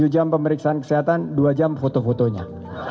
tujuh jam pemeriksaan kesehatan dua jam foto fotonya